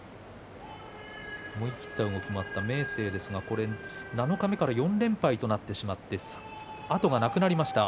思い切った動きもあった明生ですが七日目から４連敗となってしまって後がなくなりました。